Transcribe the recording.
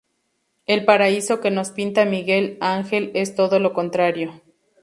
El Paraíso que nos pinta Miguel Ángel es todo lo contrario.